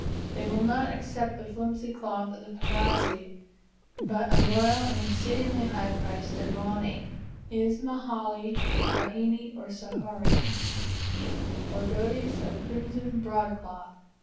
They will not accept the flimsy cloth of the pagazi, but a royal and exceedingly high priced dabwani, Ismahili, Rehani, or a Sohari, or dotis of crimson broad cloth.